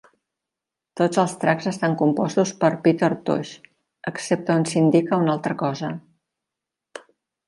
Tots els tracks estan compostos per Peter Tosh excepte on s'indica una altra cosa.